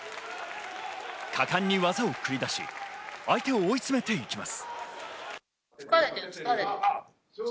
果敢に技を繰り出し、相手を追い詰めていきます。